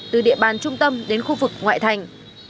từ địa bàn trung tâm đến khu vực ngoại thành